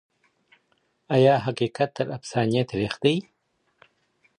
آیا حقیقت تر افسانې تریخ دی؟